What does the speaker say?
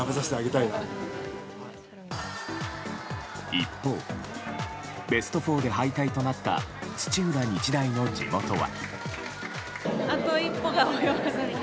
一方、ベスト４で敗退となった土浦日大の地元は。